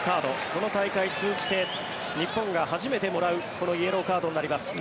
この大会を通じて日本が初めてもらうこのイエローカードになります。